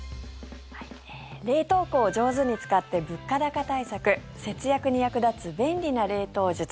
冷凍庫を上手に使って物価高対策節約に役立つ便利な冷凍術。